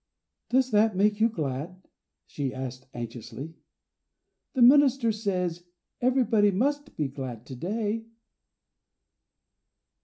"Does that make you glad?" she asked, anxiously. "The minister says everybody must be glad to day."